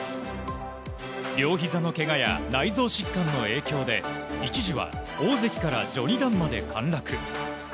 両ひざのけがや内臓疾患の影響で一時は大関から序二段まで陥落。